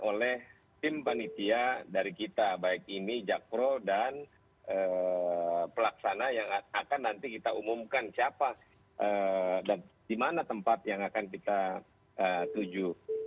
oleh tim panitia dari kita baik ini jakpro dan pelaksana yang akan nanti kita umumkan siapa dan di mana tempat yang akan kita tuju